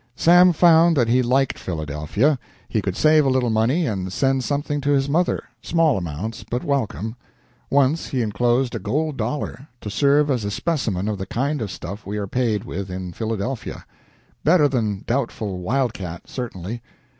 Sam found that he liked Philadelphia. He could save a little money and send something to his mother small amounts, but welcome. Once he inclosed a gold dollar, "to serve as a specimen of the kind of stuff we are paid with in Philadelphia." Better than doubtful "wild cat," certainly.